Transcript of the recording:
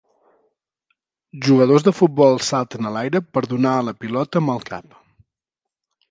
Jugadors de futbol salten a l'aire per donar a la pilota amb el cap